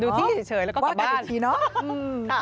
ดูที่เฉยเนอะว่ากันอีกทีเนอะดูที่เฉยแล้วก็ต่อบ้าน